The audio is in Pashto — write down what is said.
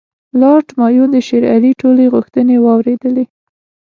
لارډ مایو د شېر علي ټولې غوښتنې واورېدلې.